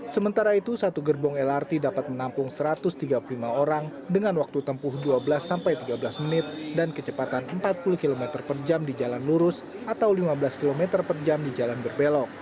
sementara itu satu gerbong lrt dapat menampung satu ratus tiga puluh lima orang dengan waktu tempuh dua belas sampai tiga belas menit dan kecepatan empat puluh km per jam di jalan lurus atau lima belas km per jam di jalan berbelok